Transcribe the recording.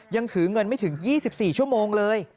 ยังถือเงินไม่ถึง๒๔ชั่วโมงเลย